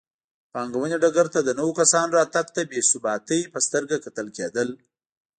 پانګونې ډګر ته د نویو کسانو راتګ ته بې ثباتۍ په سترګه کتل کېدل.